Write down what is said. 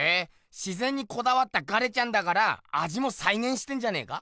自ぜんにこだわったガレちゃんだからあじもさいげんしてんじゃねえか？